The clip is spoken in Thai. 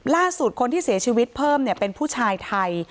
ล่าสุดคนที่เสียชีวิตเพิ่มเป็นผู้ชายไทย